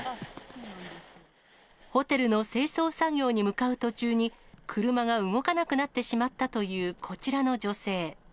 ホテルの清掃作業に向かう途中に、車が動かなくなってしまったというこちらの女性。